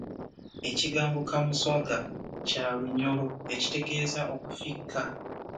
Ekigambo Kamuswaga kya Lunyolo ekitegeeza okufikka.